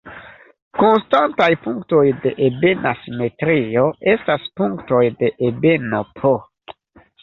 Konstantaj punktoj de ebena simetrio estas punktoj de ebeno "P".